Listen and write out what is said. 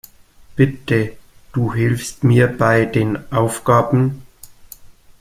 Bitte, du hilfst mir bei den Aufgaben.